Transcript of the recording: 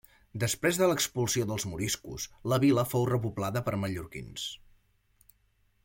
Després de l'expulsió dels moriscos, la vila fou repoblada per mallorquins.